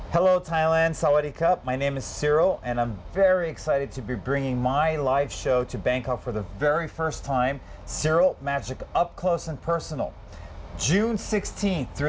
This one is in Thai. สวัสดีครับสวัสดีครับชื่อซิริลและฉันกำลังส่งแบบนี้มาซิริลแมจิกที่สุดที่สุดที่สุด